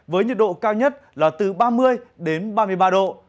với nhiệt độ cao nhất là từ ba mươi đến ba mươi ba độ